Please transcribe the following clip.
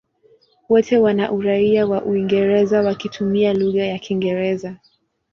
Wote wana uraia wa Uingereza wakitumia lugha ya Kiingereza.